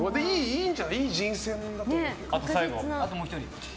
いい人選だと思うよ。